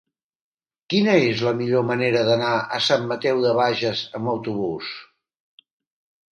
Quina és la millor manera d'anar a Sant Mateu de Bages amb autobús?